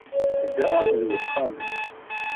HedṛeƔ d wexxam-nneƔ.